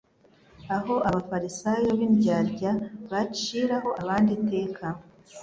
Aho abafarisayo b'indyarya baciraho abandi iteka,